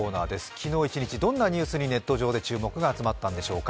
昨日一日どんなニュースにネット上で注目が集まったんでしょうか？